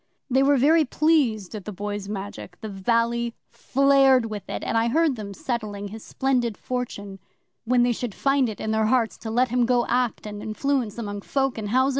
They were very pleased at the Boy's Magic the valley flared with it and I heard them settling his splendid fortune when they should find it in their hearts to let him go to act and influence among folk in housen.